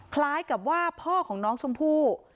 คล้ายกับว่าพ่อของน้องชมพู่